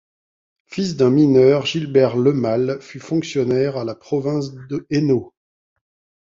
Fils d’un mineur, Gilbert Lemal fut fonctionnaire à la Province de Hainaut.